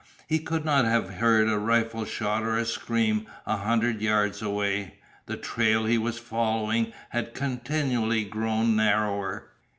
He could not have heard a rifle shot or a scream a hundred yards away. The trail he was following had continually grown narrower.